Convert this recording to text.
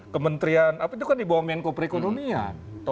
kementerian apa itu kan di bawah menko perekonomian